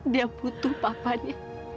dia butuh papanya